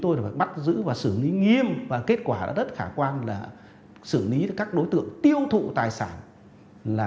tôi là phải bắt giữ và xử lý nghiêm và kết quả đã rất khả quan là xử lý các đối tượng tiêu thụ tài sản là